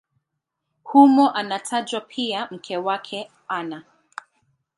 Humo anatajwa pia mke wake Ana.